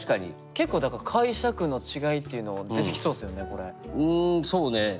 結構だから解釈の違いっていうの出てきそうですよねこれ。